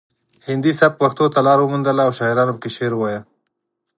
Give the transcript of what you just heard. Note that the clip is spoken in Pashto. هندي سبک پښتو ته لار وموندله او شاعرانو پکې شعر وایه